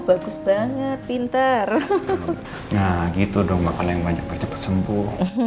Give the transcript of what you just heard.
bagus banget pinter nah gitu dong makanya yang banyak banyak cepet sembuh